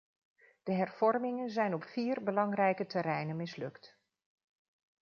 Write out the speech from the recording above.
De hervormingen zijn op vier belangrijke terreinen mislukt.